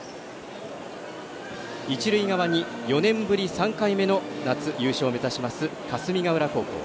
一塁側に４年ぶり３回目の夏優勝を目指します霞ヶ浦高校。